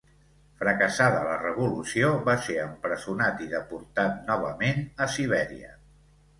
Fracassada la revolució, va ser empresonat i deportat novament a Sibèria.